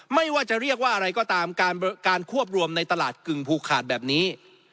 ไม่ว่าจะเรียกว่าอะไรก็ตามการควบรวมในตลาดกึ่งภูขาดแบบนี้